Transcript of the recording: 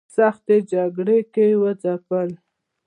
سختو جګړو کې وځپل.